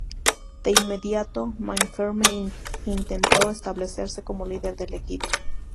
De inmediato, Mainframe intentó establecerse como líder del equipo.